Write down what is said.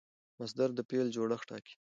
مصدر د فعل جوړښت ټاکي.